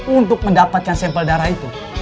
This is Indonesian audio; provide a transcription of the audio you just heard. untuk mendapatkan sampel darah itu